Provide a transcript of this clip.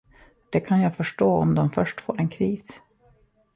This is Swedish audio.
Det kan jag förstå om de först får en kris.